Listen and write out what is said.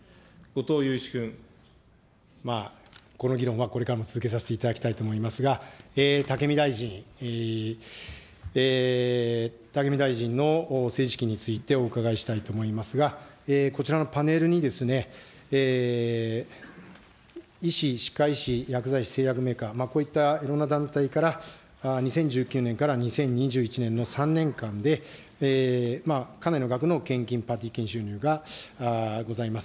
まあ、この議論はこれからも続けさせていただきたいと思いますが、武見大臣、武見大臣の政治資金についてお伺いしたいと思いますが、こちらのパネルにですね、医師、歯科医師、薬剤師、製薬メーカー、こういったいろんな団体から、２０１９年から２０２１年の３年間で、かなりの額の献金、パーティー券収入がございます。